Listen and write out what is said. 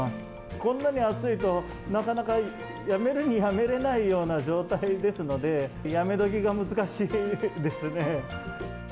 こんなに暑いと、なかなかやめるにやめれないような状態ですので、やめ時が難しいですね。